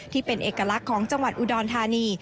ที่เป็นเอกลักษณ์ของจังหวัดอุดรธานี